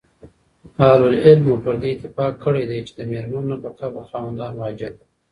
اهل العلمو پر دې اتفاق کړی دی، چي د ميرمنو نفقه پرخاوندانو واجب ده.